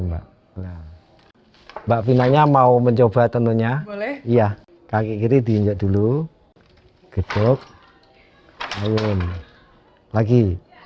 mbak mbak bintangnya mau mencoba tentunya iya kaki kiri diinjak dulu geduk ayun lagi